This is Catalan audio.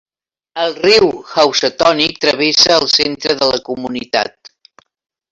El riu Housatonic travessa el centre de la comunitat.